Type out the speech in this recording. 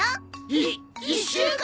い１週間！？